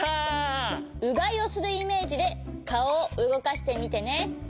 うがいをするイメージでかおをうごかしてみてね！